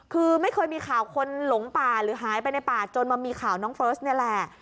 คือไม่เคยมีข่าวคนหลงป่าหรือหายไปในป่าจนมามีข่าวน้องเฟิร์สนี่แหละ